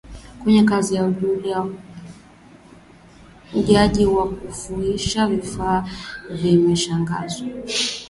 kwenye kazi ya ujazaji wa kifusi na vifaa vimeshaagizwa